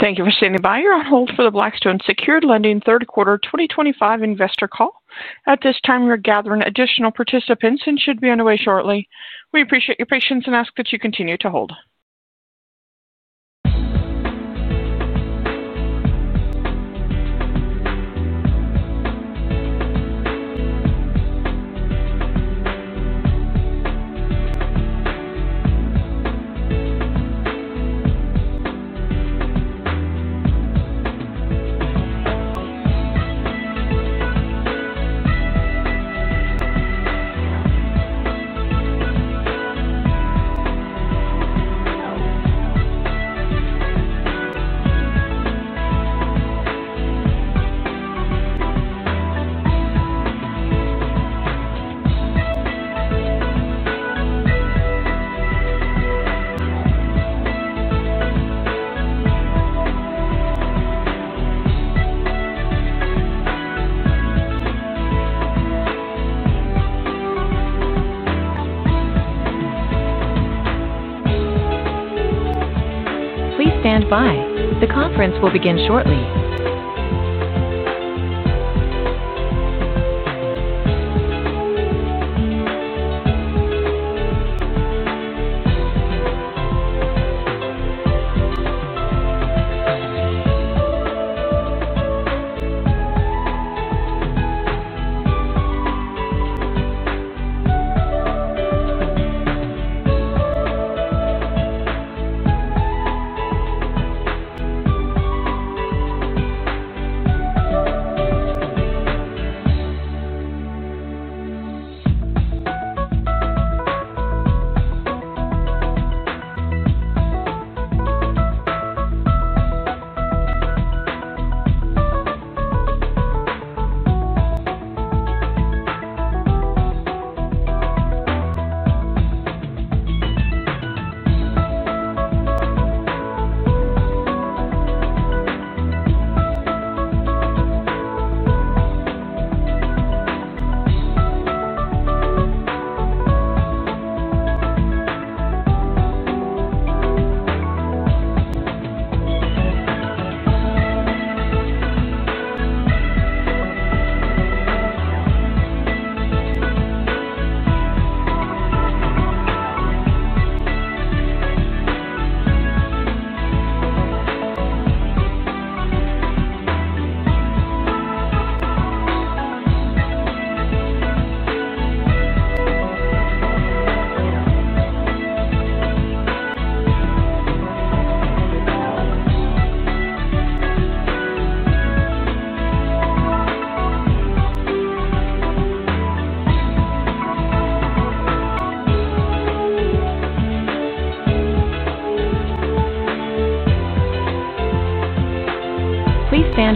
Thank you for standing by. You're on hold for the Blackstone Secured Lending Fund Third Quarter 2025 Investor Call. At this time, we're gathering additional participants and should be underway shortly. We appreciate your patience and ask that you continue to hold.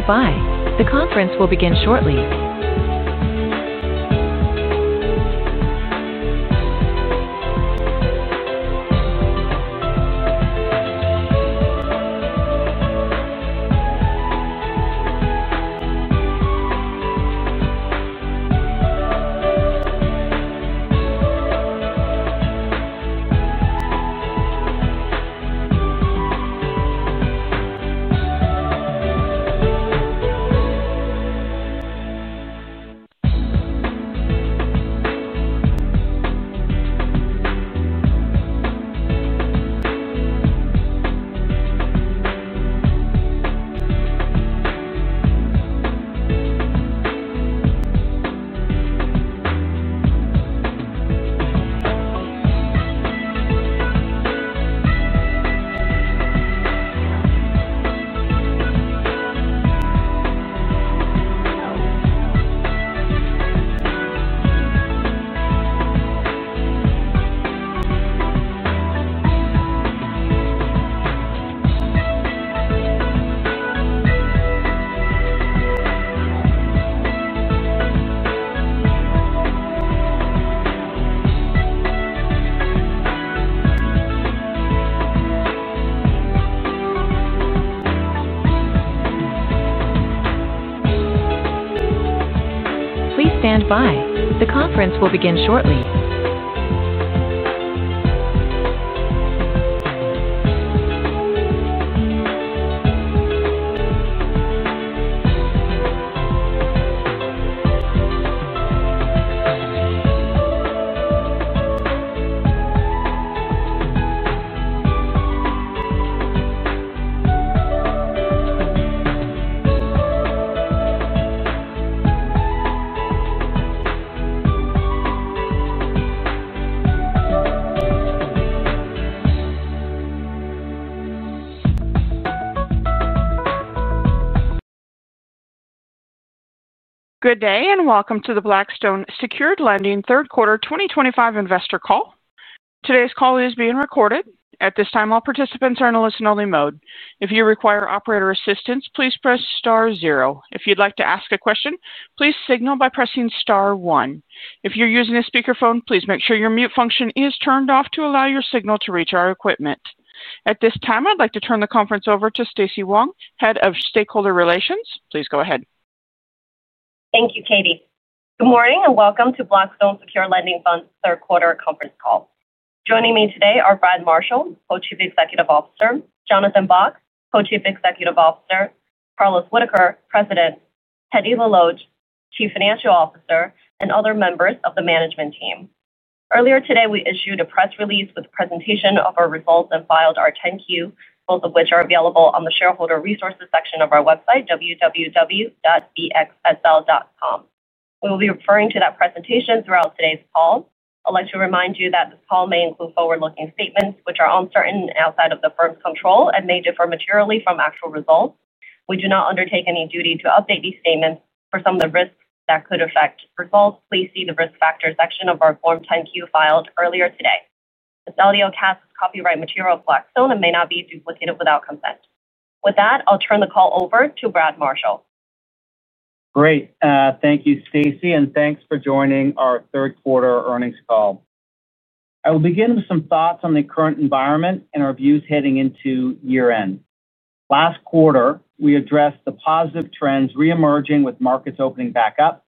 Please stand by. The conference will begin shortly. Good day and welcome to the Blackstone Secured Lending Fund third quarter 2025 investor call. Today's call is being recorded. At this time, all participants are in a listen-only mode. If you require operator assistance, please press star zero. If you'd like to ask a question, please signal by pressing star one. If you're using a speakerphone, please make sure your mute function is turned off to allow your signal to reach our equipment. At this time, I'd like to turn the conference over to Stacy Wong, Head of Stakeholder Relations. Please go ahead. Thank you, Katie. Good morning and welcome to Blackstone Secured Lending Fund's Third Quarter Conference Call. Joining me today are Brad Marshall, Co-Chief Executive Officer; Jonathan Bock, Co-Chief Executive Officer; Carlos Whitaker, President; Teddy Desloge, Chief Financial Officer; and other members of the management team. Earlier today, we issued a press release with a presentation of our results and filed our 10-Q, both of which are available on the shareholder resources section of our website, www.bxsl.com. We will be referring to that presentation throughout today's call. I'd like to remind you that this call may include forward-looking statements, which are uncertain and outside of the firm's control and may differ materially from actual results. We do not undertake any duty to update these statements for some of the risks that could affect results. Please see the risk factor section of our form 10-Q filed earlier today. This audio cast is copyright material of Blackstone and may not be duplicated without consent. With that, I'll turn the call over to Brad Marshall. Great. Thank you, Stacy, and thanks for joining our third quarter earnings call. I will begin with some thoughts on the current environment and our views heading into year-end. Last quarter, we addressed the positive trends re-emerging with markets opening back up,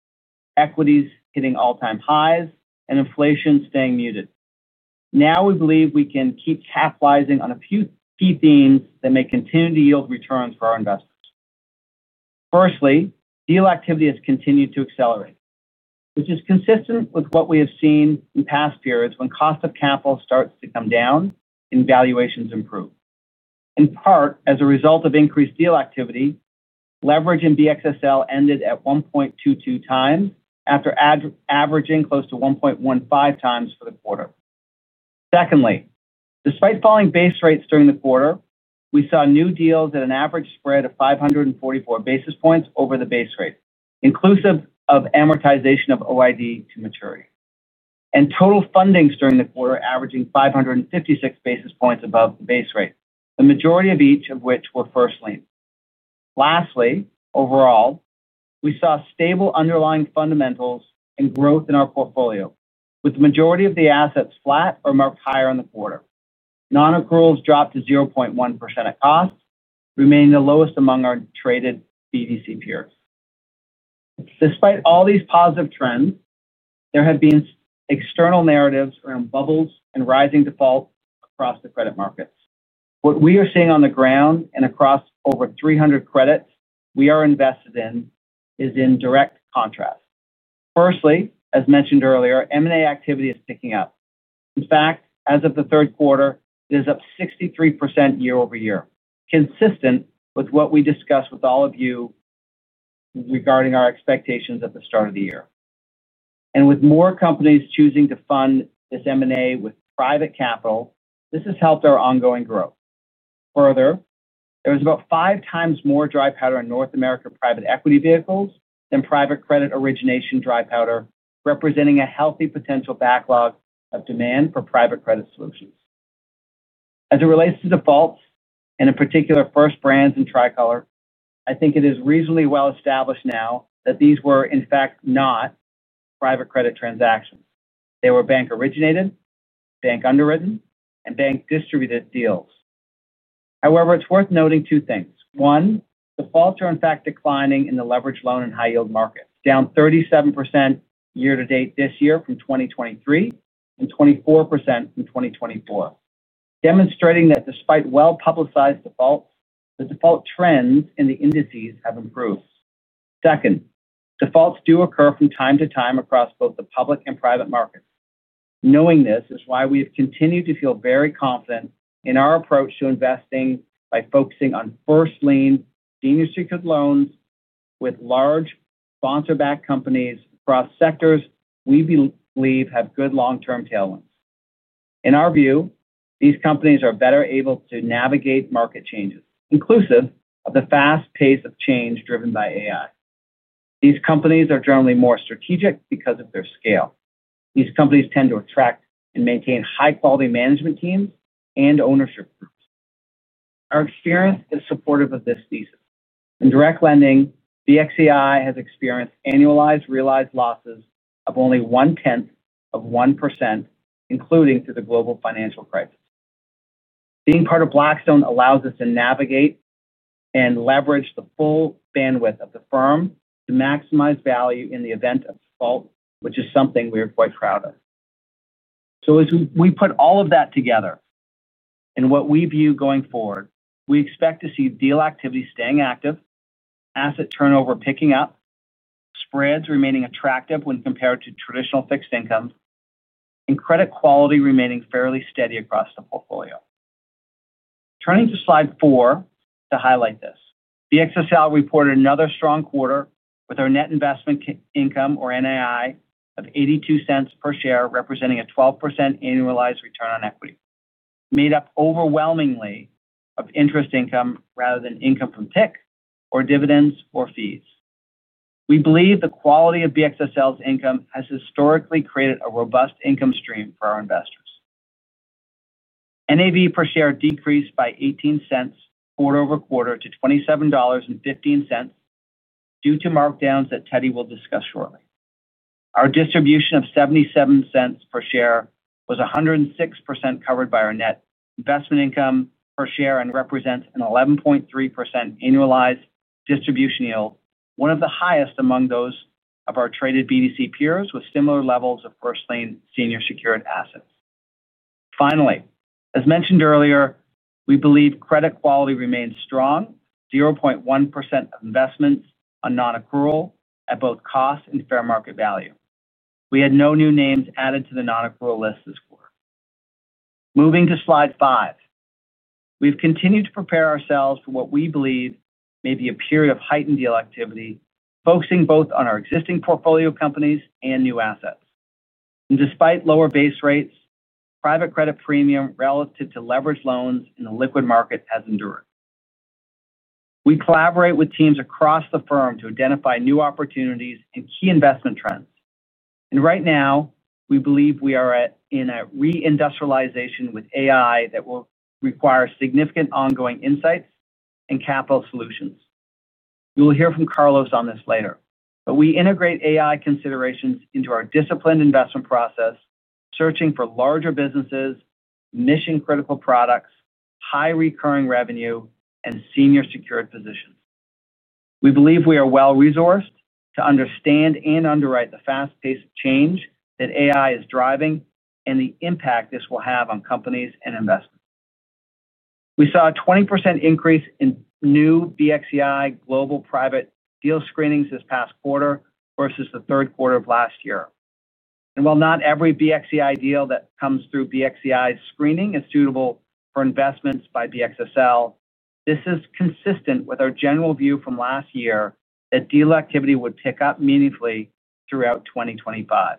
equities hitting all-time highs, and inflation staying muted. Now, we believe we can keep capitalizing on a few key themes that may continue to yield returns for our investors. Firstly, deal activity has continued to accelerate, which is consistent with what we have seen in past periods when cost of capital starts to come down and valuations improve. In part, as a result of increased deal activity, leverage in BXSL ended at 1.22x after averaging close to 1.15x for the quarter. Secondly, despite falling base rates during the quarter, we saw new deals at an average spread of 544 basis points over the base rate, inclusive of amortization of OID to maturity, and total fundings during the quarter averaging 556 basis points above the base rate, the majority of each of which were first-lien. Lastly, overall, we saw stable underlying fundamentals and growth in our portfolio, with the majority of the assets flat or marked higher on the quarter. Non-accruals dropped to 0.1% at cost, remaining the lowest among our traded BDC peers. Despite all these positive trends, there have been external narratives around bubbles and rising default across the credit markets. What we are seeing on the ground and across over 300 credits we are invested in is in direct contrast. Firstly, as mentioned earlier, M&A activity is picking up. In fact, as of the third quarter, it is up 63% year-over-year, consistent with what we discussed with all of you regarding our expectations at the start of the year. With more companies choosing to fund this M&A with private capital, this has helped our ongoing growth. Further, there was about five times more dry powder in North America private equity vehicles than private credit origination dry powder, representing a healthy potential backlog of demand for private credit solutions. As it relates to defaults, and in particular, First Brands and Tricolor, I think it is reasonably well established now that these were, in fact, not private credit transactions. They were bank-originated, bank-underwritten, and bank-distributed deals. However, it's worth noting two things. One, defaults are, in fact, declining in the leveraged loan and high-yield market, down 37% year-to-date this year from 2023 and 24% from 2024, demonstrating that despite well-publicized defaults, the default trends in the indices have improved. Second, defaults do occur from time to time across both the public and private markets. Knowing this is why we have continued to feel very confident in our approach to investing by focusing on first-lien senior secured loans with large sponsor-backed companies across sectors we believe have good long-term tailwinds. In our view, these companies are better able to navigate market changes, inclusive of the fast pace of change driven by AI. These companies are generally more strategic because of their scale. These companies tend to attract and maintain high-quality management teams and ownership groups. Our experience is supportive of this thesis. In direct lending, BXEI has experienced annualized realized losses of only one-tenth of 1%, including to the global financial crisis. Being part of Blackstone allows us to navigate and leverage the full bandwidth of the firm to maximize value in the event of default, which is something we are quite proud of. As we put all of that together and what we view going forward, we expect to see deal activity staying active, asset turnover picking up, spreads remaining attractive when compared to traditional fixed incomes, and credit quality remaining fairly steady across the portfolio. Turning to slide four to highlight this, BXSL reported another strong quarter with our net investment income, or NII, of $0.82 per share, representing a 12% annualized return on equity, made up overwhelmingly of interest income rather than income from PIC or dividends or fees. We believe the quality of BXSL's income has historically created a robust income stream for our investors. NAV per share decreased by $0.18 quarter-over-quarter to $27.15 due to markdowns that Teddy will discuss shortly. Our distribution of $0.77 per share was 106% covered by our net investment income per share and represents an 11.3% annualized distribution yield, one of the highest among those of our traded BDC peers with similar levels of first-lien senior secured assets. Finally, as mentioned earlier, we believe credit quality remains strong, 0.1% of investments are non-accrual at both cost and fair market value. We had no new names added to the non-accrual list this quarter. Moving to slide five, we have continued to prepare ourselves for what we believe may be a period of heightened deal activity, focusing both on our existing portfolio companies and new assets. Despite lower base rates, private credit premium relative to leveraged loans in the liquid market has endured. We collaborate with teams across the firm to identify new opportunities and key investment trends. Right now, we believe we are in a re-industrialization with AI that will require significant ongoing insights and capital solutions. You will hear from Carlos on this later. We integrate AI considerations into our disciplined investment process, searching for larger businesses, mission-critical products, high recurring revenue, and senior secured positions. We believe we are well-resourced to understand and underwrite the fast-paced change that AI is driving and the impact this will have on companies and investments. We saw a 20% increase in new BXEI global private deal screenings this past quarter versus the third quarter of last year. While not every BXEI deal that comes through BXEI screening is suitable for investments by BXSL, this is consistent with our general view from last year that deal activity would pick up meaningfully throughout 2025.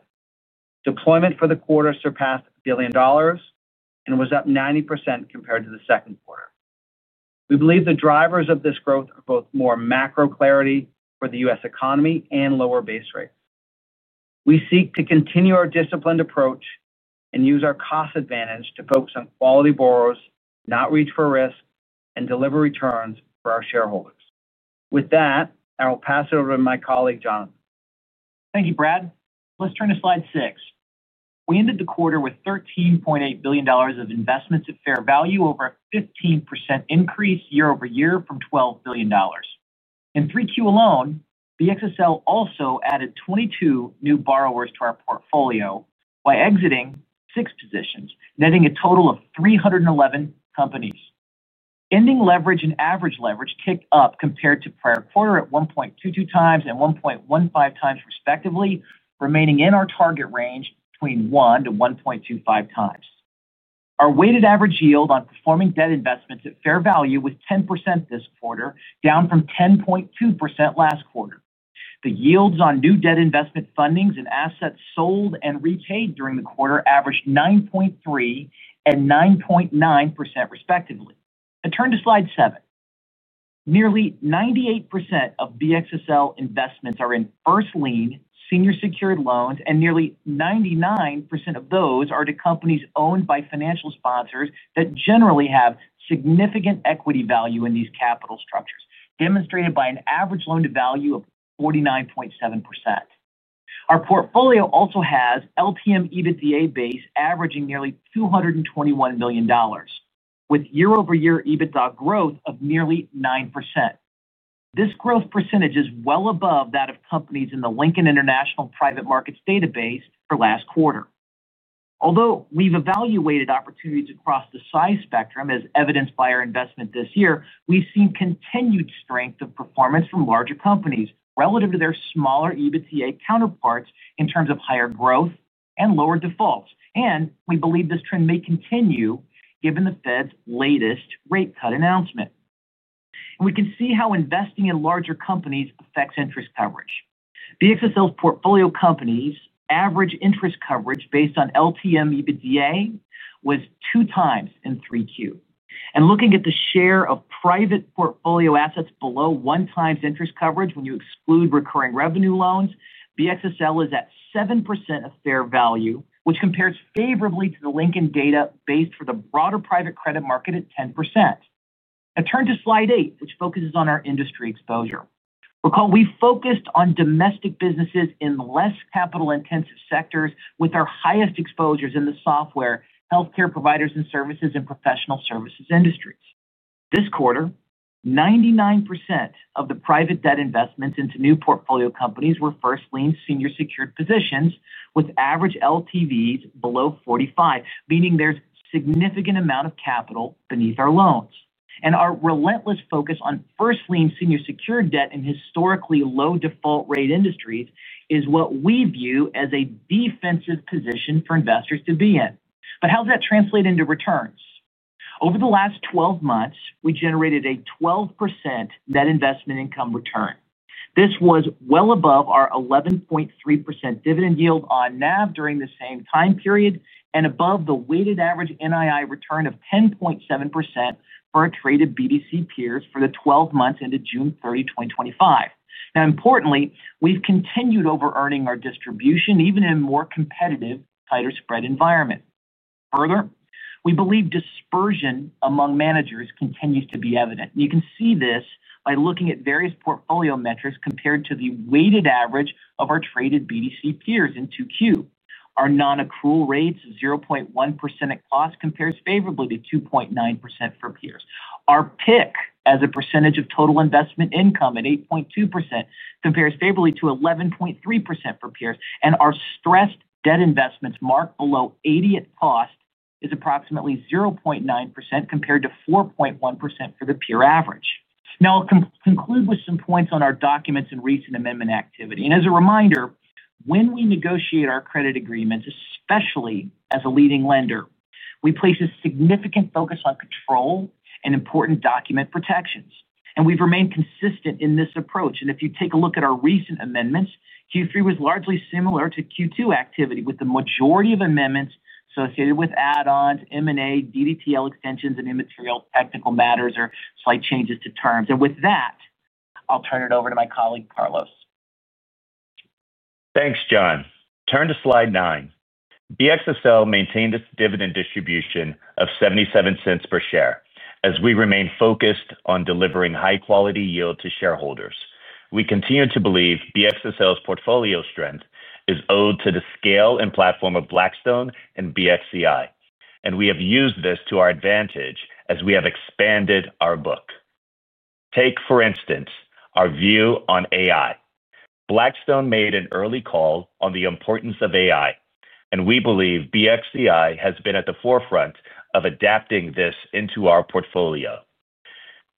Deployment for the quarter surpassed $1 billion and was up 90% compared to the second quarter. We believe the drivers of this growth are both more macro clarity for the U.S. economy and lower base rates. We seek to continue our disciplined approach and use our cost advantage to focus on quality borrows, not reach for risk, and deliver returns for our shareholders. With that, I will pass it over to my colleague, Jonathan. Thank you, Brad. Let's turn to slide six. We ended the quarter with $13.8 billion of investments at fair value, over a 15% increase year-over-year from $12 billion. In 3Q alone, BXSL also added 22 new borrowers to our portfolio by exiting six positions, netting a total of 311 companies. Ending leverage and average leverage kicked up compared to prior quarter at 1.22x and 1.15x, respectively, remaining in our target range between 1-1.25x. Our weighted average yield on performing debt investments at fair value was 10% this quarter, down from 10.2% last quarter. The yields on new debt investment fundings and assets sold and repaid during the quarter averaged 9.3% and 9.9%, respectively. Now, turn to slide seven. Nearly 98% of BXSL investments are in first-lien, senior secured loans, and nearly 99% of those are to companies owned by financial sponsors that generally have significant equity value in these capital structures, demonstrated by an average loan-to-value of 49.7%. Our portfolio also has LTM EBITDA base averaging nearly $221 million, with year-over-year EBITDA growth of nearly 9%. This growth percentage is well above that of companies in the Lincoln International Private Markets database for last quarter. Although we've evaluated opportunities across the size spectrum, as evidenced by our investment this year, we've seen continued strength of performance from larger companies relative to their smaller EBITDA counterparts in terms of higher growth and lower defaults. We believe this trend may continue given the Fed's latest rate cut announcement. We can see how investing in larger companies affects interest coverage. BXSL's portfolio companies' average interest coverage based on LTM EBITDA was two times in 3Q. Looking at the share of private portfolio assets below one times interest coverage, when you exclude recurring revenue loans, BXSL is at 7% of fair value, which compares favorably to the Lincoln data base for the broader private credit market at 10%. Now, turn to slide eight, which focuses on our industry exposure. Recall, we focused on domestic businesses in less capital-intensive sectors with our highest exposures in the software, healthcare providers and services, and professional services industries. This quarter, 99% of the private debt investments into new portfolio companies were first-lien senior secured positions with average LTVs below 45%, meaning there is a significant amount of capital beneath our loans. Our relentless focus on first-lien, senior secured debt in historically low default-rate industries is what we view as a defensive position for investors to be in. How does that translate into returns? Over the last 12 months, we generated a 12% net investment income return. This was well above our 11.3% dividend yield on NAV during the same time period and above the weighted average NII return of 10.7% for our traded BDC peers for the 12 months into June 30, 2025. Importantly, we've continued over-earning our distribution even in a more competitive, tighter spread environment. Further, we believe dispersion among managers continues to be evident. You can see this by looking at various portfolio metrics compared to the weighted average of our traded BDC peers in 2Q. Our non-accrual rates of 0.1% at cost compares favorably to 2.9% for peers. Our PIC, as a percentage of total investment income at 8.2%, compares favorably to 11.3% for peers. Our stressed debt investments marked below 80 at cost is approximately 0.9% compared to 4.1% for the peer average. I will conclude with some points on our documents and recent amendment activity. As a reminder, when we negotiate our credit agreements, especially as a leading lender, we place a significant focus on control and important document protections. We have remained consistent in this approach. If you take a look at our recent amendments, Q3 was largely similar to Q2 activity with the majority of amendments associated with add-ons, M&A, DDTL extensions, and immaterial technical matters or slight changes to terms. With that, I will turn it over to my colleague, Carlos. Thanks, John. Turn to slide nine. BXSL maintained its dividend distribution of $0.77 per share as we remain focused on delivering high-quality yield to shareholders. We continue to believe BXSL's portfolio strength is owed to the scale and platform of Blackstone and BXEI. We have used this to our advantage as we have expanded our book. Take, for instance, our view on AI. Blackstone made an early call on the importance of AI, and we believe BXEI has been at the forefront of adapting this into our portfolio.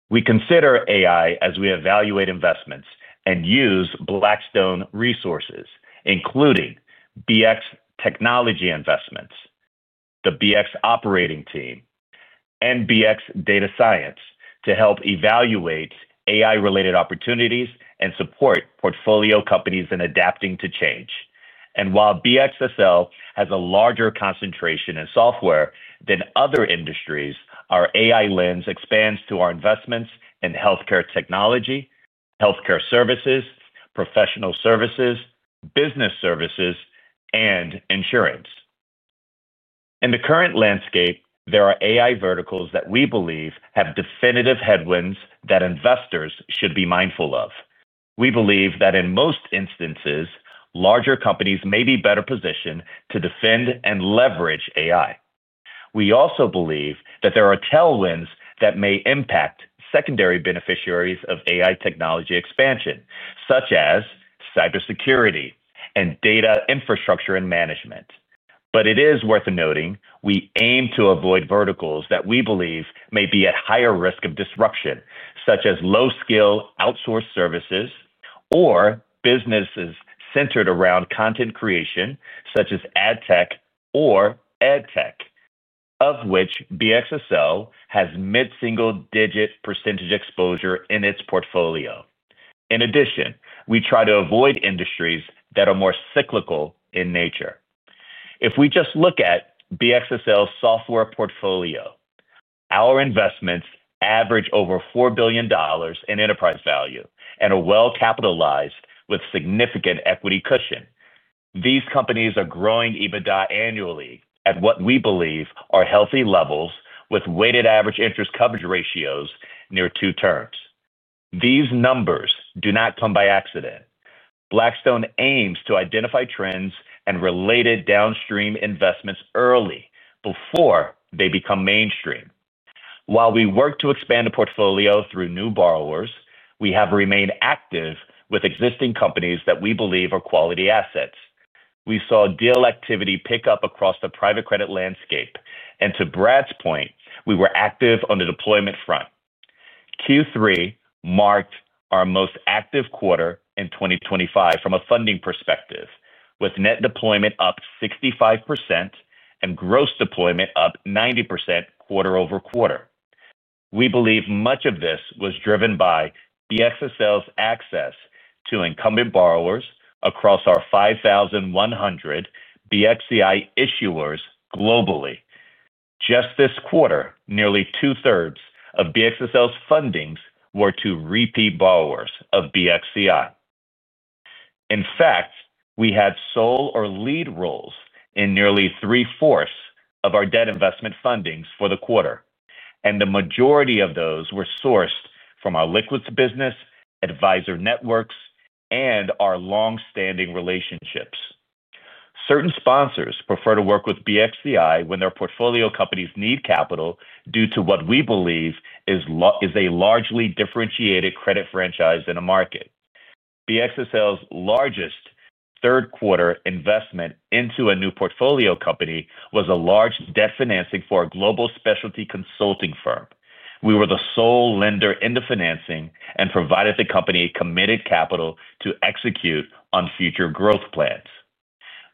We consider AI as we evaluate investments and use Blackstone resources, including Blackstone Technology Investments, the Blackstone Operating Team, and Blackstone Data Science to help evaluate AI-related opportunities and support portfolio companies in adapting to change. While BXSL has a larger concentration in software than other industries, our AI lens expands to our investments in healthcare technology, healthcare services, professional services, business services, and insurance. In the current landscape, there are AI verticals that we believe have definitive headwinds that investors should be mindful of. We believe that in most instances, larger companies may be better positioned to defend and leverage AI. We also believe that there are tailwinds that may impact secondary beneficiaries of AI technology expansion, such as cybersecurity and data infrastructure and management. It is worth noting we aim to avoid verticals that we believe may be at higher risk of disruption, such as low-skill outsourced services or businesses centered around content creation, such as ad tech or ed tech, of which BXSL has mid-single-digit percentage exposure in its portfolio. In addition, we try to avoid industries that are more cyclical in nature. If we just look at BXSL's software portfolio, our investments average over $4 billion in enterprise value and are well-capitalized with significant equity cushion. These companies are growing EBITDA annually at what we believe are healthy levels with weighted average interest coverage ratios near two times. These numbers do not come by accident. Blackstone aims to identify trends and related downstream investments early before they become mainstream. While we work to expand the portfolio through new borrowers, we have remained active with existing companies that we believe are quality assets. We saw deal activity pick up across the private credit landscape. To Brad's point, we were active on the deployment front. Q3 marked our most active quarter in 2025 from a funding perspective, with net deployment up 65% and gross deployment up 90% quarter-over-quarter. We believe much of this was driven by BXSL's access to incumbent borrowers across our 5,100 BXEI issuers globally. Just this quarter, nearly 2/3s of BXSL's fundings were to repeat borrowers of BXEI. In fact, we had sole or lead roles in nearly three-fourths of our debt investment fundings for the quarter. The majority of those were sourced from our liquids business, advisor networks, and our long-standing relationships. Certain sponsors prefer to work with BXEI when their portfolio companies need capital due to what we believe is a largely differentiated credit franchise in a market. BXSL's largest third-quarter investment into a new portfolio company was a large debt financing for a global specialty consulting firm. We were the sole lender in the financing and provided the company committed capital to execute on future growth plans.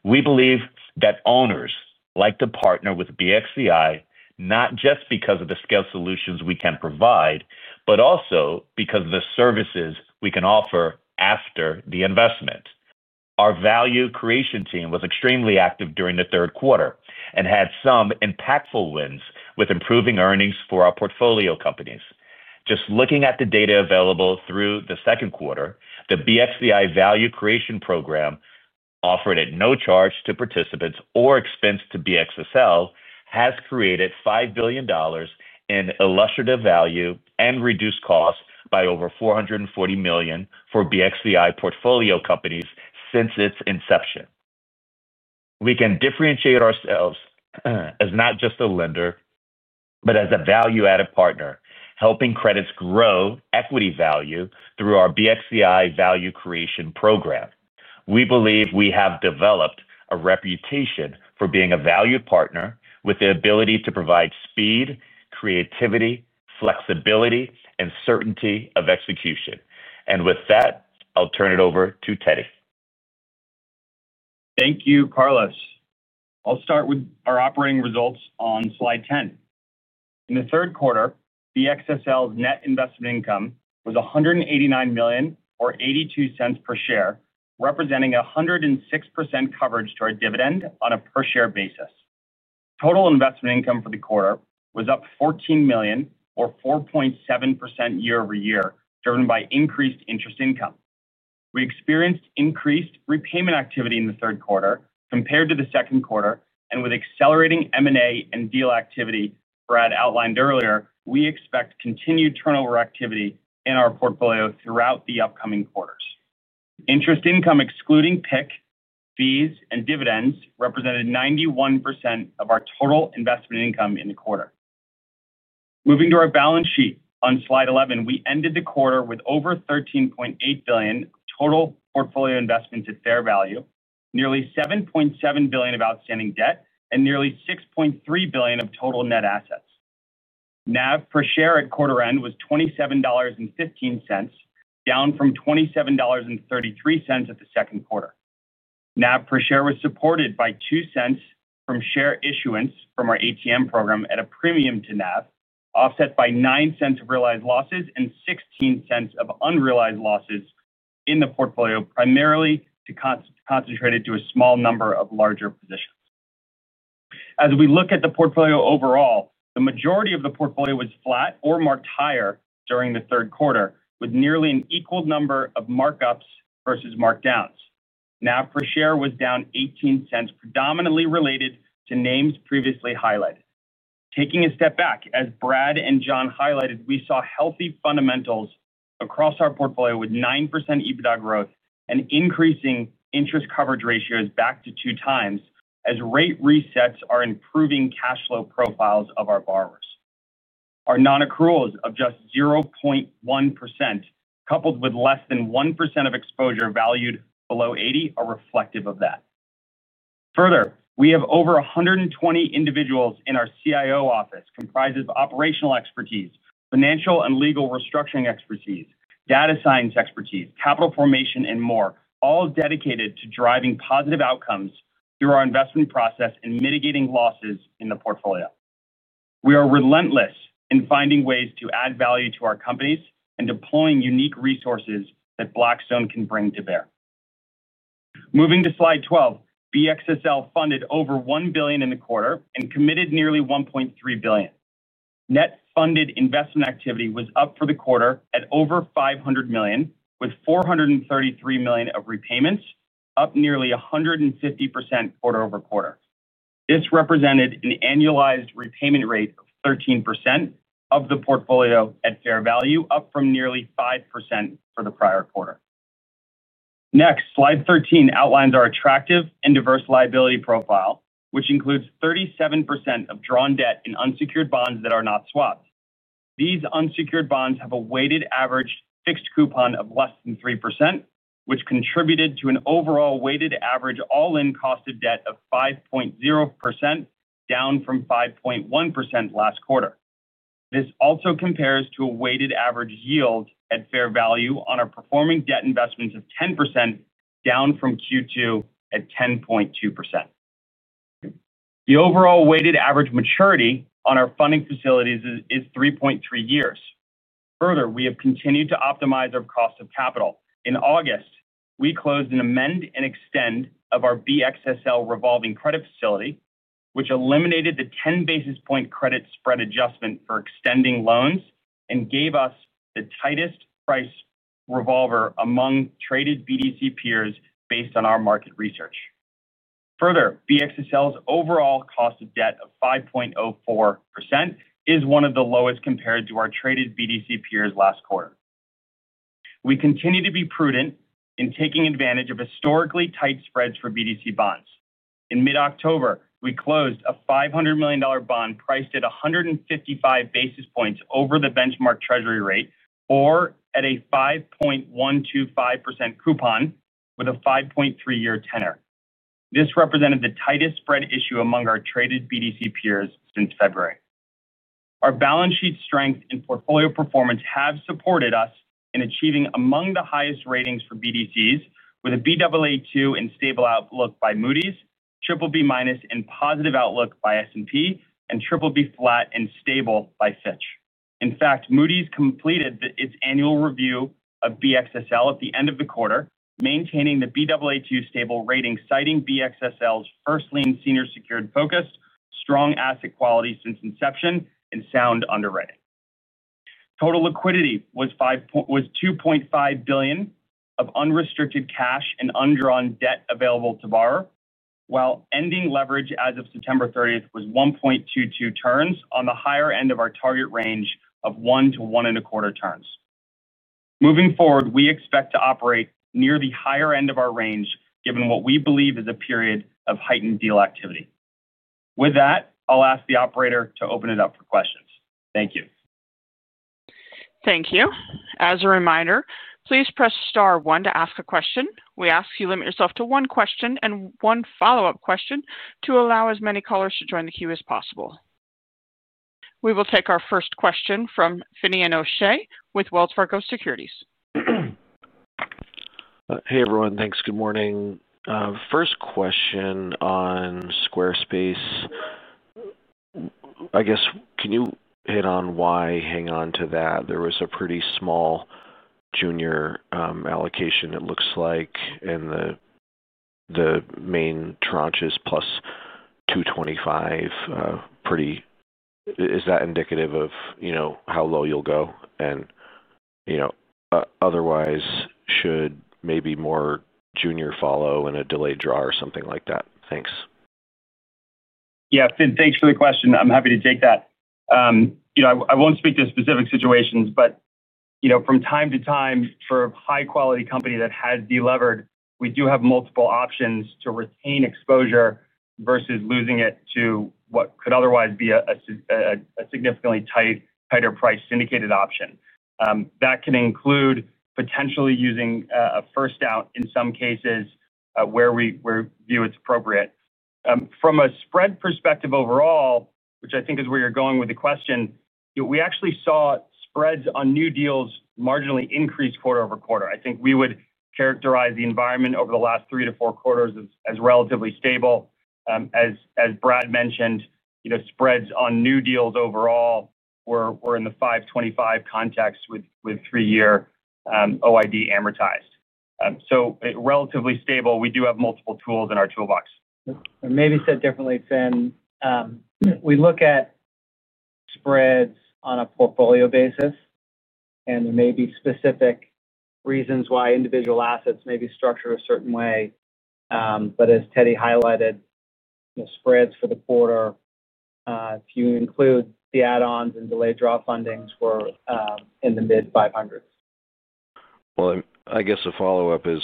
We believe that owners like to partner with BXEI not just because of the scale solutions we can provide, but also because of the services we can offer after the investment. Our value creation team was extremely active during the third quarter and had some impactful wins with improving earnings for our portfolio companies. Just looking at the data available through the second quarter, the BXEI value creation program offered at no charge to participants or expense to BXSL has created $5 billion in illustrative value and reduced costs by over $440 million for BXEI portfolio companies since its inception. We can differentiate ourselves as not just a lender, but as a value-added partner, helping credits grow equity value through our BXEI value creation program. We believe we have developed a reputation for being a value partner with the ability to provide speed, creativity, flexibility, and certainty of execution. With that, I'll turn it over to Teddy. Thank you, Carlos. I'll start with our operating results on slide 10. In the third quarter, BXSL's net investment income was $189 million, or $0.82 per share, representing a 106% coverage to our dividend on a per-share basis. Total investment income for the quarter was up $14 million, or 4.7% year-over-year, driven by increased interest income. We experienced increased repayment activity in the third quarter compared to the second quarter, and with accelerating M&A and deal activity Brad outlined earlier, we expect continued turnover activity in our portfolio throughout the upcoming quarters. Interest income excluding PIC, fees, and dividends represented 91% of our total investment income in the quarter. Moving to our balance sheet on slide 11, we ended the quarter with over $13.8 billion total portfolio investments at fair value, nearly $7.7 billion of outstanding debt, and nearly $6.3 billion of total net assets. NAV per share at quarter end was $27.15, down from $27.33 at the second quarter. NAV per share was supported by 2 cents from share issuance from our ATM program at a premium to NAV, offset by 0.9 of realized losses and 0.16 of unrealized losses in the portfolio, primarily concentrated to a small number of larger positions. As we look at the portfolio overall, the majority of the portfolio was flat or marked higher during the third quarter, with nearly an equal number of markups versus markdowns. NAV per share was down 0.18, predominantly related to names previously highlighted. Taking a step back, as Brad and John highlighted, we saw healthy fundamentals across our portfolio with 9% EBITDA growth and increasing interest coverage ratios back to two times as rate resets are improving cash flow profiles of our borrowers. Our non-accruals of just 0.1%, coupled with less than 1% of exposure valued below 80, are reflective of that. Further, we have over 120 individuals in our CIO office comprised of operational expertise, financial and legal restructuring expertise, data science expertise, capital formation, and more, all dedicated to driving positive outcomes through our investment process and mitigating losses in the portfolio. We are relentless in finding ways to add value to our companies and deploying unique resources that Blackstone can bring to bear. Moving to slide 12, BXSL funded over $1 billion in the quarter and committed nearly $1.3 billion. Net funded investment activity was up for the quarter at over $500 million, with $433 million of repayments, up nearly 150% quarter-over-quarter. This represented an annualized repayment rate of 13% of the portfolio at fair value, up from nearly 5% for the prior quarter. Next, slide 13 outlines our attractive and diverse liability profile, which includes 37% of drawn debt in unsecured bonds that are not swapped. These unsecured bonds have a weighted average fixed coupon of less than 3%, which contributed to an overall weighted average all-in cost of debt of 5.0%, down from 5.1% last quarter. This also compares to a weighted average yield at fair value on our performing debt investments of 10%, down from Q2 at 10.2%. The overall weighted average maturity on our funding facilities is 3.3 years. Further, we have continued to optimize our cost of capital. In August, we closed an amend and extend of our BXSL revolving credit facility, which eliminated the 10 basis point credit spread adjustment for extending loans and gave us the tightest price revolver among traded BDC peers based on our market research. Further, BXSL's overall cost of debt of 5.04% is one of the lowest compared to our traded BDC peers last quarter. We continue to be prudent in taking advantage of historically tight spreads for BDC bonds. In mid-October, we closed a $500 million bond priced at 155 basis points over the benchmark treasury rate, or at a 5.125% coupon with a 5.3-year tenor. This represented the tightest spread issue among our traded BDC peers since February. Our balance sheet strength and portfolio performance have supported us in achieving among the highest ratings for BDCs, with a BAA2 and stable outlook by Moody's, BBB- and positive outlook by S&P, and BBB-flat and stable by Fitch. In fact, Moody's completed its annual review of BXSL at the end of the quarter, maintaining the BAA2 stable rating, citing BXSL's first-lien senior secured focus, strong asset quality since inception, and sound underwriting. Total liquidity was $2.5 billion of unrestricted cash and undrawn debt available to borrow, while ending leverage as of September 30 was 1.22 turns on the higher end of our target range of 1-1.25 turns. Moving forward, we expect to operate near the higher end of our range, given what we believe is a period of heightened deal activity. With that, I'll ask the operator to open it up for questions. Thank you. Thank you. As a reminder, please press star one to ask a question. We ask you limit yourself to one question and one follow-up question to allow as many callers to join the queue as possible. We will take our first question from Finian Patrick O'Shea with Wells Fargo Securities. Hey, everyone. Thanks. Good morning. First question on Squarespace. I guess, can you hit on why hang on to that? There was a pretty small junior allocation, it looks like, in the main tranches+ 225. Is that indicative of how low you'll go? Otherwise, should maybe more junior follow in a delayed draw or something like that? Thanks. Yeah. Thanks for the question. I'm happy to take that. I won't speak to specific situations, but from time to time, for a high-quality company that has delivered, we do have multiple options to retain exposure versus losing it to what could otherwise be a significantly tighter price syndicated option. That can include potentially using a first out in some cases where we view it's appropriate. From a spread perspective overall, which I think is where you're going with the question, we actually saw spreads on new deals marginally increase quarter-over-quarter. I think we would characterize the environment over the last three to four quarters as relatively stable. As Brad mentioned, spreads on new deals overall were in the 525 context with three-year OID amortized. Relatively stable. We do have multiple tools in our toolbox. Maybe said differently, Finny, we look at spreads on a portfolio basis, and there may be specific reasons why individual assets may be structured a certain way. But as Teddy highlighted, spreads for the quarter, if you include the add-ons and delayed draw fundings, were in the mid-500s. I guess the follow-up is,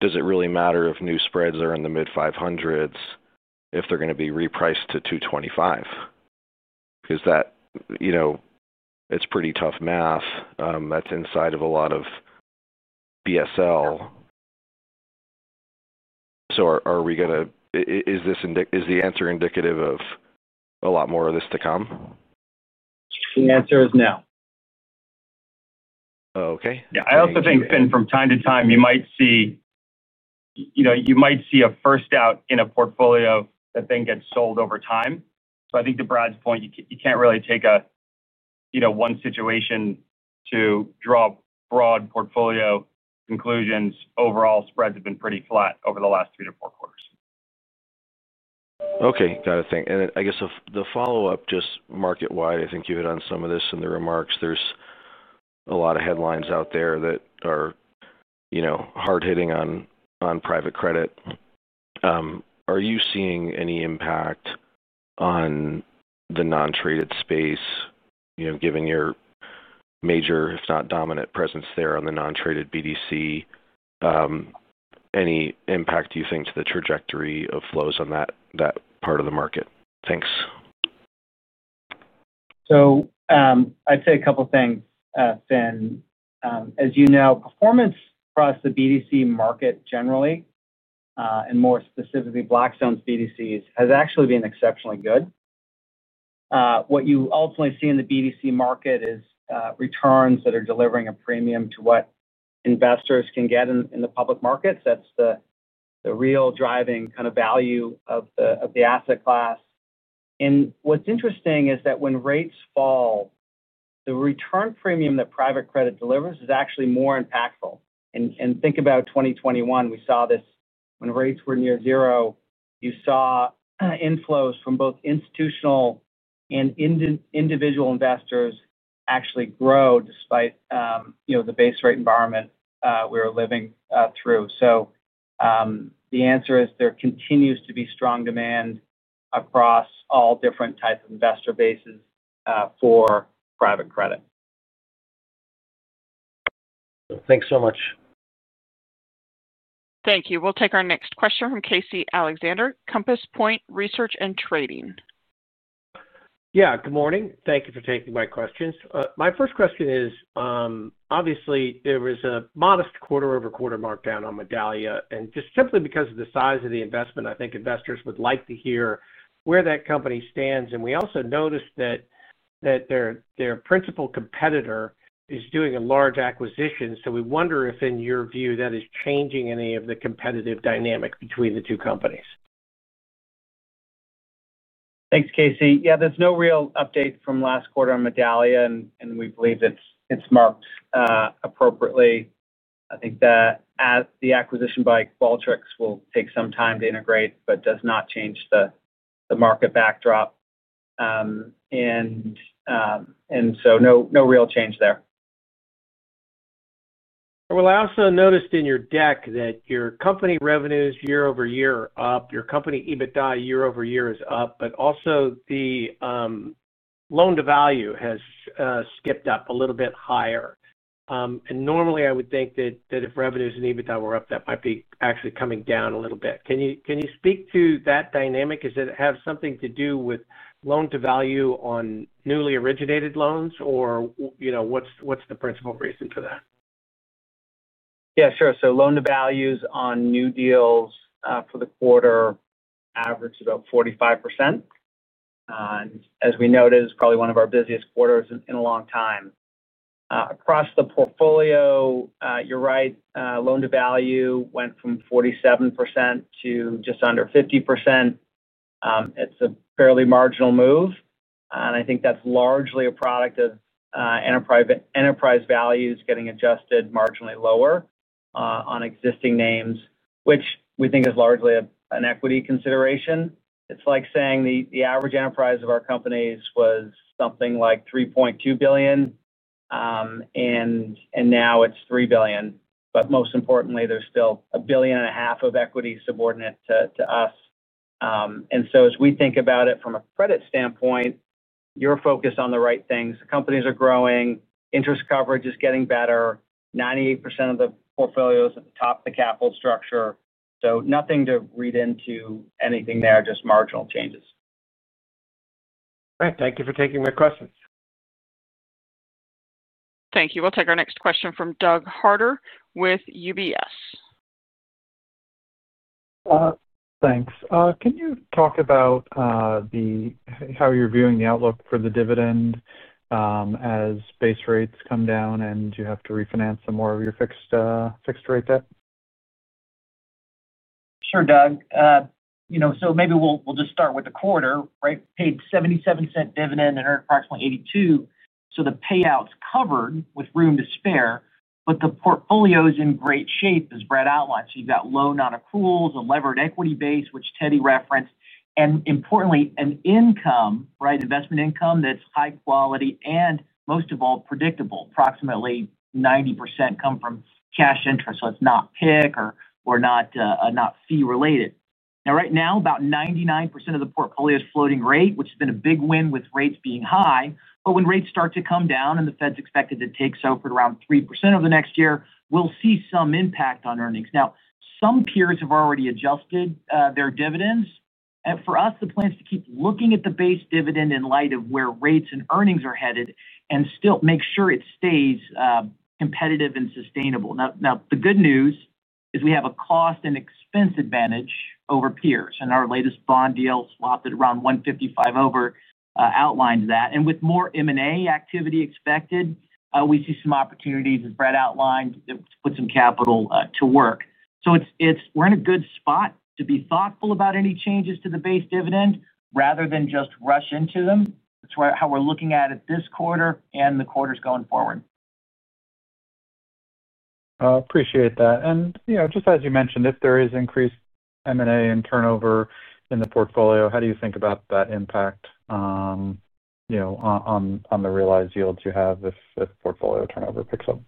does it really matter if new spreads are in the mid-500s if they're going to be repriced to 225? Because it's pretty tough math. That's inside of a lot of BSL. Are we going to—is the answer indicative of a lot more of this to come? The answer is no. Oh, okay. I also think, Finny, from time to time, you might see a first out in a portfolio that then gets sold over time. So I think to Brad's point, you can't really take one situation to draw broad portfolio conclusions. Overall, spreads have been pretty flat over the last three to four quarters. Okay. Got it. Thank you. I guess the follow-up, just market-wide, I think you hit on some of this in the remarks. There is a lot of headlines out there that are hard-hitting on private credit. Are you seeing any impact on the non-traded space, given your major, if not dominant, presence there on the non-traded BDC? Any impact, do you think, to the trajectory of flows on that part of the market? Thanks. I'd say a couple of things, Finn. As you know, performance across the BDC market generally, and more specifically Blackstone's BDCs, has actually been exceptionally good. What you ultimately see in the BDC market is returns that are delivering a premium to what investors can get in the public markets. That's the real driving kind of value of the asset class. What's interesting is that when rates fall, the return premium that private credit delivers is actually more impactful. Think about 2021. We saw this when rates were near zero. You saw inflows from both institutional and individual investors actually grow despite the base rate environment we were living through. The answer is there continues to be strong demand across all different types of investor bases for private credit. Thanks so much. Thank you. We'll take our next question from Casey Alexander, Compass Point Research & Trading. Yeah. Good morning. Thank you for taking my questions. My first question is, obviously, there was a modest quarter-over-quarter markdown on Medallia. And just simply because of the size of the investment, I think investors would like to hear where that company stands. And we also noticed that their principal competitor is doing a large acquisition. So we wonder if, in your view, that is changing any of the competitive dynamic between the two companies. Thanks, Casey. Yeah. There's no real update from last quarter on Medallia, and we believe it's marked appropriately. I think that the acquisition by Qualtrics will take some time to integrate, but does not change the market backdrop. No real change there. I also noticed in your deck that your company revenues year-over-year are up. Your company EBITDA year-over-year is up, but also the loan-to-value has skipped up a little bit higher. Normally, I would think that if revenues and EBITDA were up, that might be actually coming down a little bit. Can you speak to that dynamic? Does it have something to do with loan-to-value on newly originated loans, or what's the principal reason for that? Yeah. Sure. Loan-to-values on new deals for the quarter averaged about 45%. As we noted, it was probably one of our busiest quarters in a long time. Across the portfolio, you're right, loan-to-value went from 47% to just under 50%. It's a fairly marginal move. I think that's largely a product of enterprise values getting adjusted marginally lower on existing names, which we think is largely an equity consideration. It's like saying the average enterprise of our companies was something like $3.2 billion, and now it's $3 billion. Most importantly, there's still $1.5 billion of equity subordinate to us. As we think about it from a credit standpoint, you're focused on the right things. The companies are growing. Interest coverage is getting better. 98% of the portfolio is at the top of the capital structure. Nothing to read into anything there, just marginal changes. All right. Thank you for taking my questions. Thank you. We'll take our next question from Doug Harter with UBS. Thanks. Can you talk about how you're viewing the outlook for the dividend as base rates come down and you have to refinance some more of your fixed rate debt? Sure, Doug. Maybe we'll just start with the quarter, right? Paid $0.77 dividend and earned approximately $0.82. The payout's covered with room to spare, but the portfolio is in great shape, as Brad outlined. You've got loan-on accruals, a levered equity base, which Teddy referenced, and importantly, an income, right? Investment income that's high quality and, most of all, predictable. Approximately 90% come from cash interest. It's not PIC or not fee-related. Right now, about 99% of the portfolio is floating rate, which has been a big win with rates being high. When rates start to come down and the Fed's expected to take SOFR around 3% over the next year, we'll see some impact on earnings. Some peers have already adjusted their dividends. For us, the plan is to keep looking at the base dividend in light of where rates and earnings are headed and still make sure it stays competitive and sustainable. The good news is we have a cost and expense advantage over peers. Our latest bond deal swapped at around 155 basis points over. With more M&A activity expected, we see some opportunities, as Brad outlined, to put some capital to work. We are in a good spot to be thoughtful about any changes to the base dividend rather than just rush into them. That is how we are looking at it this quarter and the quarters going forward. I appreciate that. Just as you mentioned, if there is increased M&A and turnover in the portfolio, how do you think about that impact on the realized yields you have if portfolio turnover picks up?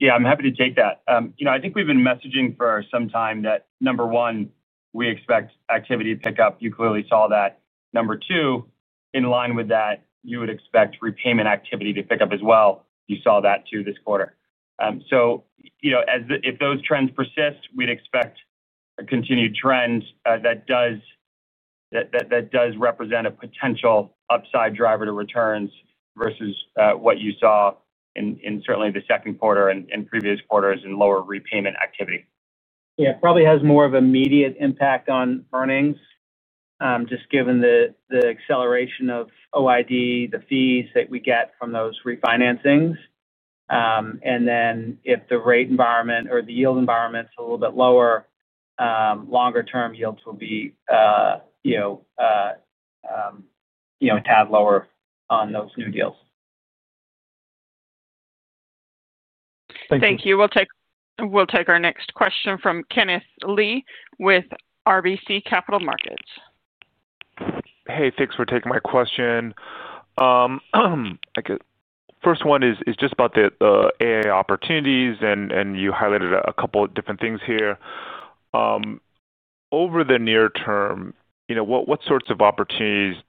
Yeah. I'm happy to take that. I think we've been messaging for some time that, number one, we expect activity to pick up. You clearly saw that. Number two, in line with that, you would expect repayment activity to pick up as well. You saw that too this quarter. If those trends persist, we'd expect a continued trend that does represent a potential upside driver to returns versus what you saw in certainly the second quarter and previous quarters in lower repayment activity. Yeah. It probably has more of an immediate impact on earnings, just given the acceleration of OID, the fees that we get from those refinancings. If the rate environment or the yield environment's a little bit lower, longer-term yields will be a tad lower on those new deals. Thank you. We'll take our next question from Kenneth Lee with RBC Capital Markets. Hey, thanks for taking my question. First one is just about the AI opportunities, and you highlighted a couple of different things here. Over the near term, what sorts of opportunities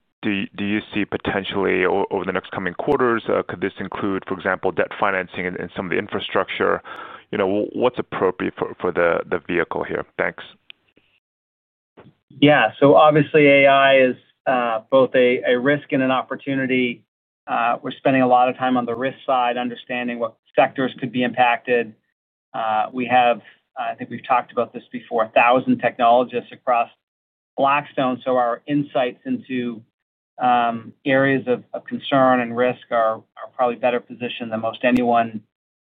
do you see potentially over the next coming quarters? Could this include, for example, debt financing and some of the infrastructure? What's appropriate for the vehicle here? Thanks. Yeah. So obviously, AI is both a risk and an opportunity. We're spending a lot of time on the risk side, understanding what sectors could be impacted. We have—I think we've talked about this before—1,000 technologists across Blackstone. So our insights into areas of concern and risk are probably better positioned than most anyone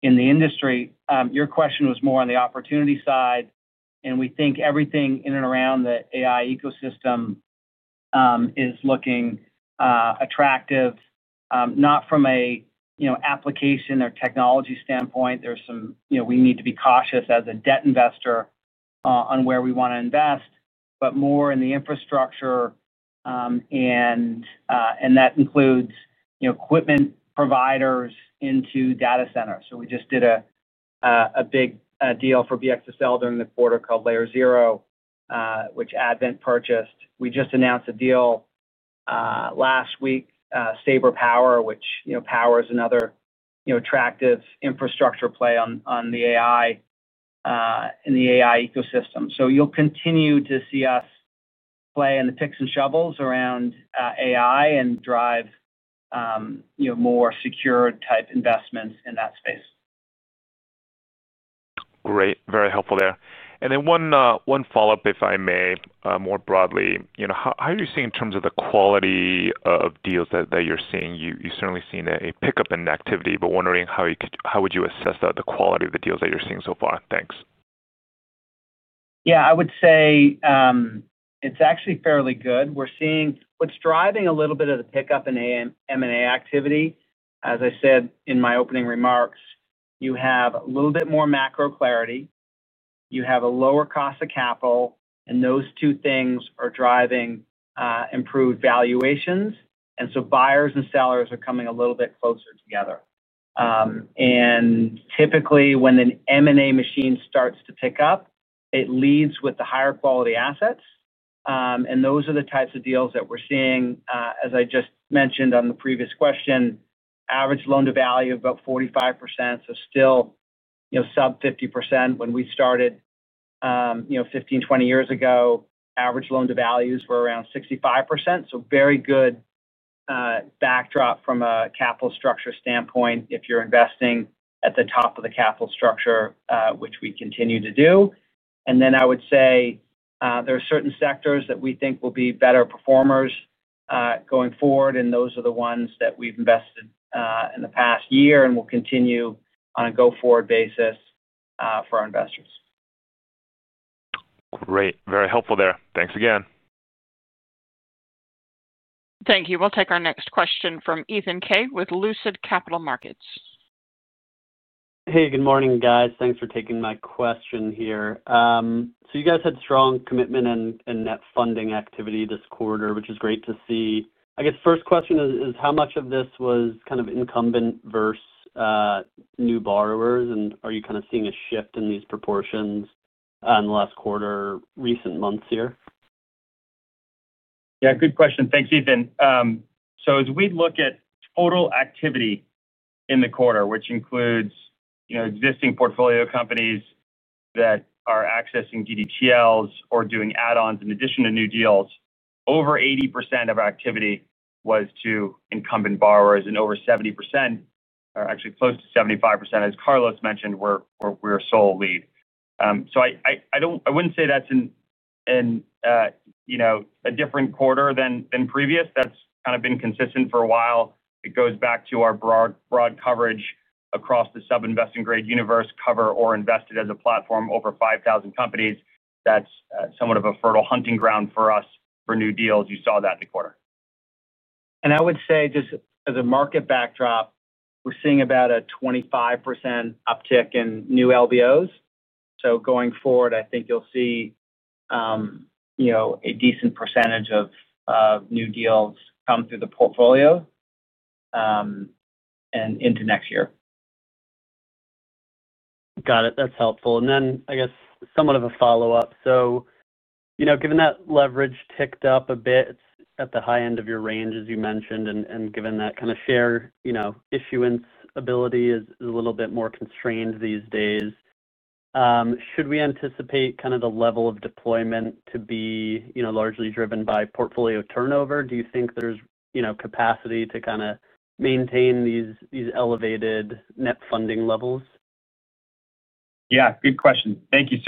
in the industry. Your question was more on the opportunity side, and we think everything in and around the AI ecosystem is looking attractive, not from an application or technology standpoint. There's some—we need to be cautious as a debt investor on where we want to invest, but more in the infrastructure. That includes equipment providers into data centers. We just did a big deal for BXSL during the quarter called Layer Zero, which Advent purchased. We just announced a deal last week, Sabre Power, which powers another attractive infrastructure play on the AI and the AI ecosystem. You will continue to see us play in the picks and shovels around AI and drive more secure-type investments in that space. Great. Very helpful there. One follow-up, if I may, more broadly. How are you seeing in terms of the quality of deals that you're seeing? You've certainly seen a pickup in activity, but wondering how would you assess the quality of the deals that you're seeing so far? Thanks. Yeah. I would say it's actually fairly good. What's driving a little bit of the pickup in M&A activity, as I said in my opening remarks, you have a little bit more macro clarity. You have a lower cost of capital, and those two things are driving improved valuations. Buyers and sellers are coming a little bit closer together. Typically, when an M&A machine starts to pick up, it leads with the higher quality assets. Those are the types of deals that we're seeing. As I just mentioned on the previous question, average loan-to-value of about 45%. Still sub 50%. When we started 15years-20 years ago, average loan-to-values were around 65%. Very good backdrop from a capital structure standpoint if you're investing at the top of the capital structure, which we continue to do. I would say there are certain sectors that we think will be better performers going forward, and those are the ones that we've invested in the past year and will continue on a go-forward basis for our investors. Great. Very helpful there. Thanks again. Thank you. We'll take our next question from Ethan Kaye with Lucid Capital Markets. Hey, good morning, guys. Thanks for taking my question here. You guys had strong commitment and net funding activity this quarter, which is great to see. I guess first question is, how much of this was kind of incumbent versus new borrowers? Are you kind of seeing a shift in these proportions in the last quarter, recent months here? Yeah. Good question. Thanks, Ethan. As we look at total activity in the quarter, which includes existing portfolio companies that are accessing DDTLs or doing add-ons in addition to new deals, over 80% of our activity was to incumbent borrowers. And over 70%, or actually close to 75%, as Carlos mentioned, we are a sole lead. I would not say that is in a different quarter than previous. That has kind of been consistent for a while. It goes back to our broad coverage across the sub-investment-grade universe, cover or invested as a platform over 5,000 companies. That is somewhat of a fertile hunting ground for us for new deals. You saw that in the quarter. I would say just as a market backdrop, we are seeing about a 25% uptick in new LBOs. Going forward, I think you'll see a decent percentage of new deals come through the portfolio and into next year. Got it. That's helpful. I guess somewhat of a follow-up. Given that leverage ticked up a bit at the high end of your range, as you mentioned, and given that kind of share issuance ability is a little bit more constrained these days, should we anticipate kind of the level of deployment to be largely driven by portfolio turnover? Do you think there's capacity to kind of maintain these elevated net funding levels? Yeah. Good question. Thank you.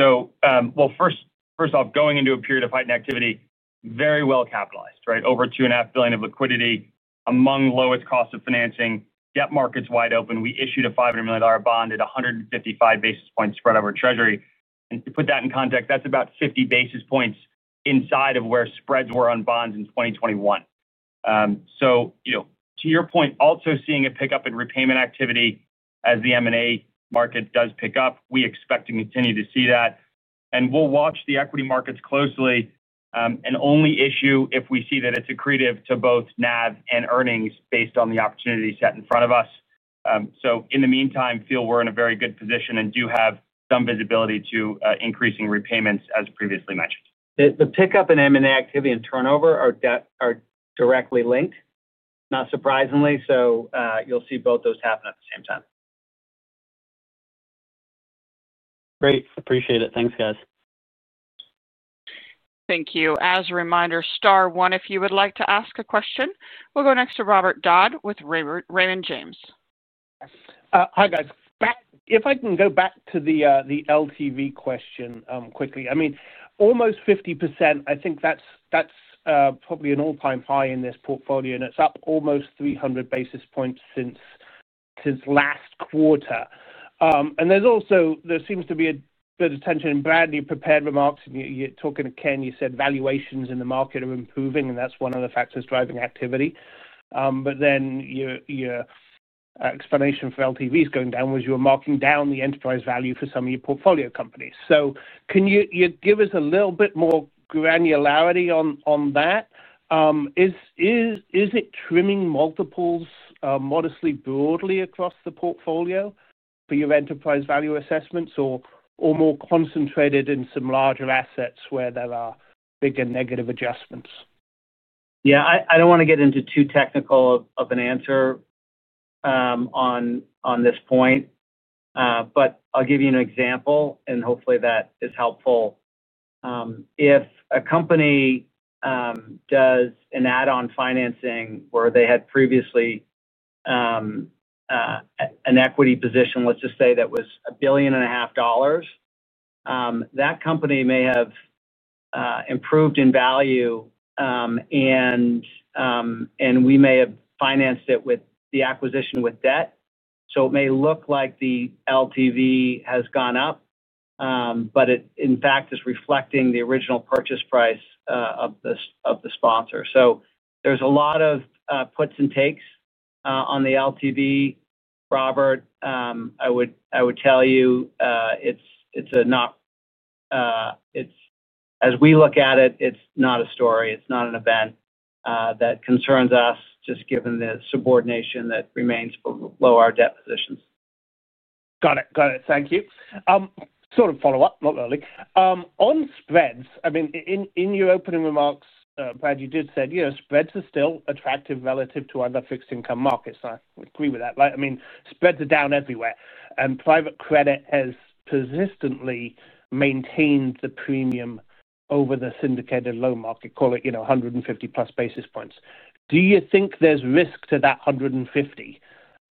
First off, going into a period of heightened activity, very well capitalized, right? Over $2.5 billion of liquidity among lowest cost of financing. Debt markets wide open. We issued a $500 million bond at 155 basis points spread over Treasury. To put that in context, that's about 50 basis points inside of where spreads were on bonds in 2021. To your point, also seeing a pickup in repayment activity as the M&A market does pick up, we expect to continue to see that. We'll watch the equity markets closely and only issue if we see that it's accretive to both NAV and earnings based on the opportunity set in front of us. In the meantime, feel we're in a very good position and do have some visibility to increasing repayments, as previously mentioned. The pickup in M&A activity and turnover are directly linked, not surprisingly. You will see both those happen at the same time. Great. Appreciate it. Thanks, guys. Thank you. As a reminder, star one, if you would like to ask a question, we'll go next to Robert Dodd with Raymond James. Hi, guys. If I can go back to the LTV question quickly. I mean, almost 50%, I think that's probably an all-time high in this portfolio, and it's up almost 300 basis points since last quarter. There also seems to be a bit of tension in Brad's prepared remarks. You're talking to Ken, you said valuations in the market are improving, and that's one of the factors driving activity. Your explanation for LTV going down was you were marking down the enterprise value for some of your portfolio companies. Can you give us a little bit more granularity on that? Is it trimming multiples modestly broadly across the portfolio for your enterprise value assessments or more concentrated in some larger assets where there are bigger negative adjustments? Yeah. I do not want to get into too technical of an answer on this point, but I'll give you an example, and hopefully that is helpful. If a company does an add-on financing where they had previously an equity position, let's just say that was $1.5 billion, that company may have improved in value, and we may have financed it with the acquisition with debt. It may look like the LTV has gone up, but it, in fact, is reflecting the original purchase price of the sponsor. There is a lot of puts and takes on the LTV. Robert, I would tell you it is not, as we look at it, it is not a story. It is not an event that concerns us just given the subordination that remains below our debt positions. Got it. Thank you. Sort of follow-up, not really. On spreads, I mean, in your opening remarks, Brad, you did say spreads are still attractive relative to other fixed income markets. I agree with that. I mean, spreads are down everywhere. Private credit has persistently maintained the premium over the syndicated loan market, call it 150+ basis points. Do you think there's risk to that 150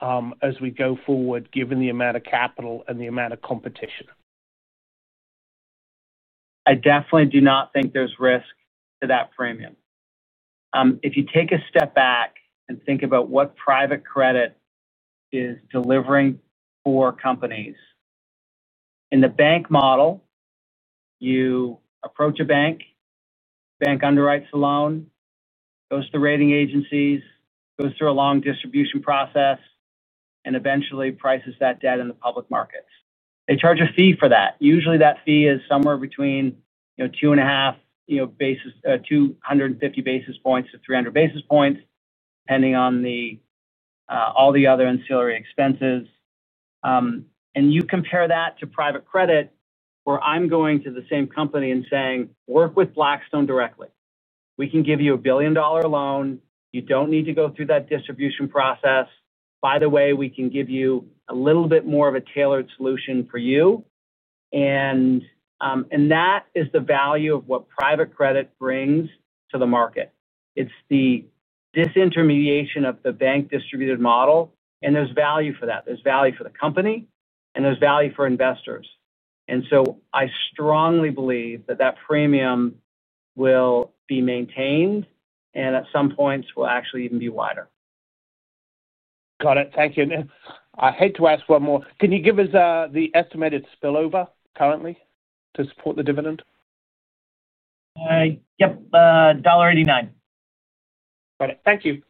as we go forward given the amount of capital and the amount of competition? I definitely do not think there's risk to that premium. If you take a step back and think about what private credit is delivering for companies, in the bank model, you approach a bank, bank underwrites the loan, goes to the rating agencies, goes through a long distribution process, and eventually prices that debt in the public markets. They charge a fee for that. Usually, that fee is somewhere between 250 basis points-300 basis points, depending on all the other ancillary expenses. You compare that to private credit where I'm going to the same company and saying, "Work with Blackstone directly. We can give you a billion-dollar loan. You don't need to go through that distribution process. By the way, we can give you a little bit more of a tailored solution for you. That is the value of what private credit brings to the market. It is the disintermediation of the bank-distributed model, and there is value for that. There is value for the company, and there is value for investors. I strongly believe that that premium will be maintained and at some points will actually even be wider. Got it. Thank you. I hate to ask one more. Can you give us the estimated spillover currently to support the dividend? Yeah. $1.89. Got it. Thank you.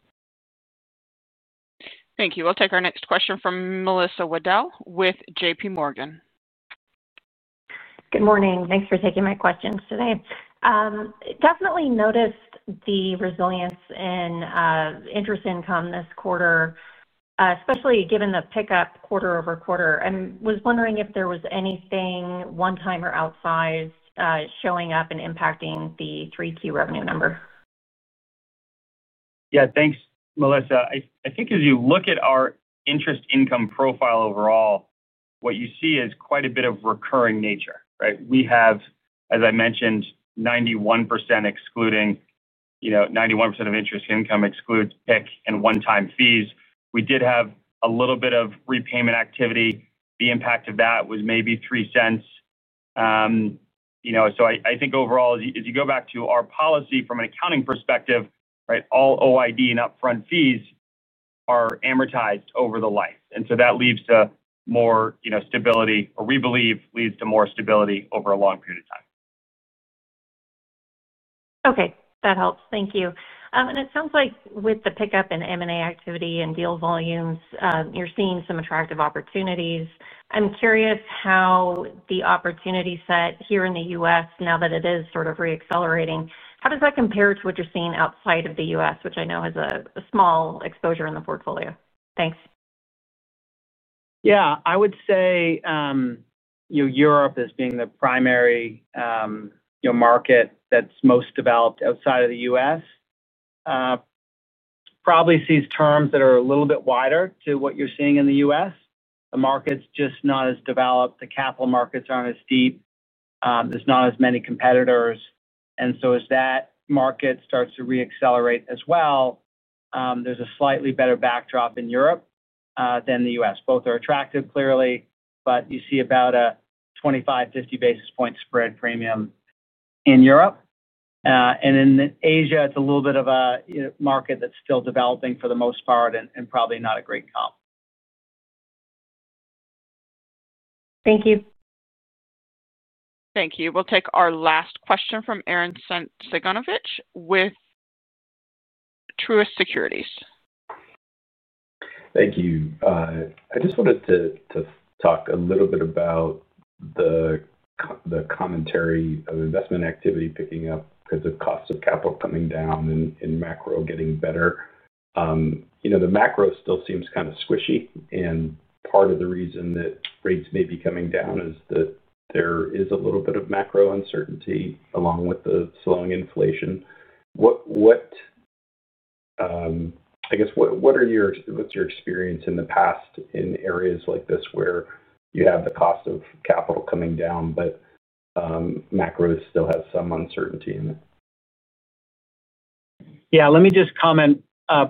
Thank you. We'll take our next question from Melissa Waddell with JPMorgan. Good morning. Thanks for taking my questions today. Definitely noticed the resilience in interest income this quarter, especially given the pickup quarter-over- quarter. I was wondering if there was anything one-time or outsized showing up and impacting the three-key revenue number. Yeah. Thanks, Melissa. I think as you look at our interest income profile overall, what you see is quite a bit of recurring nature, right? We have, as I mentioned, 91% excluding, 91% of interest income excludes PIC and one-time fees. We did have a little bit of repayment activity. The impact of that was maybe 0.3. I think overall, as you go back to our policy from an accounting perspective, right, all OID and upfront fees are amortized over the life. That leads to more stability, or we believe leads to more stability over a long period of time. Okay. That helps. Thank you. It sounds like with the pickup in M&A activity and deal volumes, you're seeing some attractive opportunities. I'm curious how the opportunity set here in the U.S., now that it is sort of re-accelerating, how does that compare to what you're seeing outside of the U.S., which I know has a small exposure in the portfolio? Thanks. Yeah. I would say Europe as being the primary market that's most developed outside of the U.S. probably sees terms that are a little bit wider to what you're seeing in the U.S. The market's just not as developed. The capital markets aren't as deep. There's not as many competitors. As that market starts to re-accelerate as well, there's a slightly better backdrop in Europe than the U.S. Both are attractive clearly, but you see about a 25 basis point-50 basis point spread premium in Europe. In Asia, it's a little bit of a market that's still developing for the most part and probably not a great comp. Thank you. Thank you. We'll take our last question from Aaron Cyganovich with Truist Securities. Thank you. I just wanted to talk a little bit about the commentary of investment activity picking up because of cost of capital coming down and macro getting better. The macro still seems kind of squishy, and part of the reason that rates may be coming down is that there is a little bit of macro uncertainty along with the slowing inflation. I guess what's your experience in the past in areas like this where you have the cost of capital coming down, but macro still has some uncertainty in it? Yeah. Let me just comment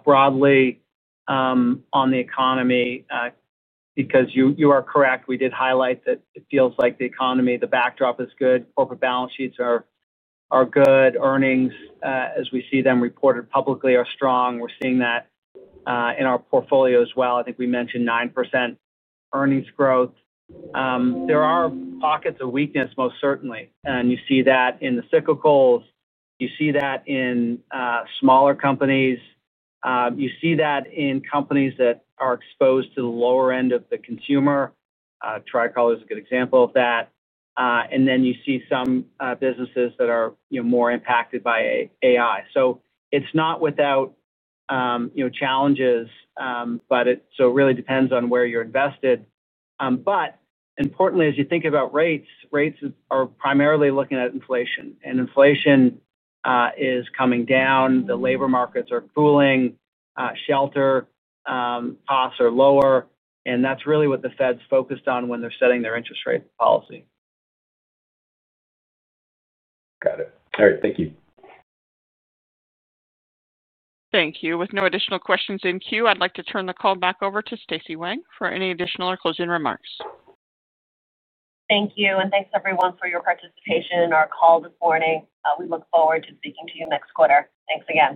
broadly on the economy because you are correct. We did highlight that it feels like the economy, the backdrop is good. Corporate balance sheets are good. Earnings, as we see them reported publicly, are strong. We're seeing that in our portfolio as well. I think we mentioned 9% earnings growth. There are pockets of weakness, most certainly. You see that in the cyclicals. You see that in smaller companies. You see that in companies that are exposed to the lower end of the consumer. Tricolor is a good example of that. You see some businesses that are more impacted by AI. It is not without challenges, but it really depends on where you're invested. Importantly, as you think about rates, rates are primarily looking at inflation. Inflation is coming down. The labor markets are cooling. Shelter costs are lower. That's really what the Fed's focused on when they're setting their interest rate policy. Got it. All right. Thank you. Thank you. With no additional questions in queue, I'd like to turn the call back over to Stacy Wong for any additional or closing remarks. Thank you. Thanks, everyone, for your participation in our call this morning. We look forward to speaking to you next quarter. Thanks again.